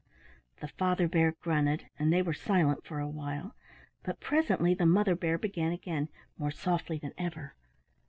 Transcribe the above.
The Father Bear grunted and they were silent for a while, but presently the Mother Bear began again, more softly than ever.